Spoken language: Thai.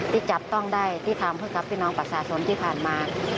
ที่จับต้องได้ที่ทำเพื่อกับพี่น้องประชาชนที่ผ่านมา